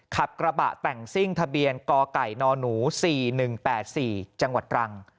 ขับกระบะแต่งซิ่งทะเบียนกไก่นหนู๔๑๘๔จังหวัดตรัง